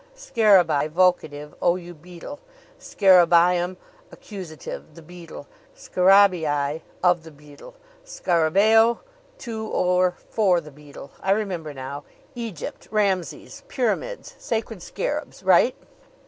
Scarabaee vocative O you beetle! Scarabaeum accusative the beetle. Scarabaei of the beetle. Scarabaeo to or for the beetle. I remember now. Egypt Rameses pyramids sacred scarabs! Right!"